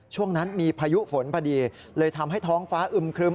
ช่วงนั้นมีพายุฝนพอดีเลยทำให้ท้องฟ้าอึมครึม